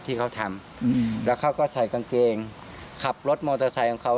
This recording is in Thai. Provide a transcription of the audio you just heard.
ที่เขาทำแล้วเขาก็ใส่กางเกงขับรถมอเตอร์ไซค์ของเขา